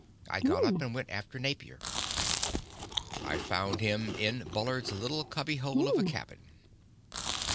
I got up and went after Napier. I found him in Bullard's little cubbyhole of a cabin.